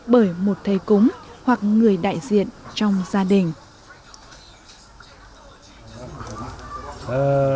bởi một thầy cúng hoặc người đại diện trong gia đình